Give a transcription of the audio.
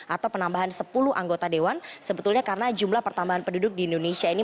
atau penambahan sepuluh anggota dewan sebetulnya karena jumlah pertambahan penduduk di indonesia ini